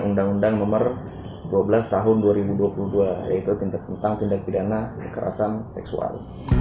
undang undang nomor dua belas tahun dua ribu dua puluh dua yaitu tentang tindak pidana kekerasan seksual